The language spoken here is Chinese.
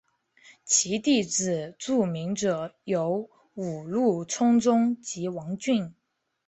其弟子著名者有五鹿充宗及王骏。